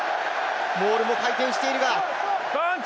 モールも回転しているが。